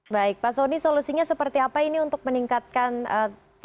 baik pak soni solusinya seperti apa ini untuk meningkatkan kualitas